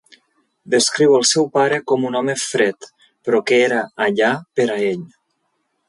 Descriu el seu pare com un home fred però que era allà per a ell.